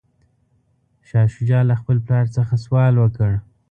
شاه شجاع له خپل پلار څخه سوال وکړ.